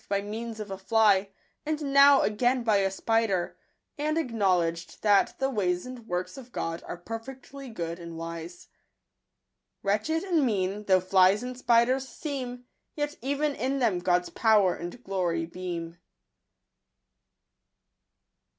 by means of a fly, and n#w again by a spider, I and acknowledged that the ways and works of God are perfectly good and wise. Wretched and mean though flies and spiders seem, Yet even in them God's power and glory beam.